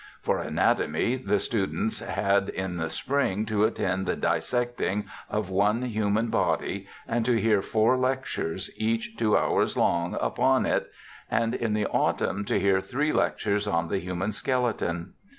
For anatom}', the students had in the spring to attend the dissecting of one human bod}^ and to hear four lectures, each two hours long, upon it, and in the autumn to hear three lectures on the human skeleton.'